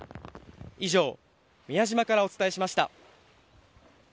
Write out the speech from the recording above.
以上、宮島からお伝えしました。